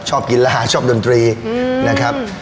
ชอบกินรหะชอบดนตรีนะครับ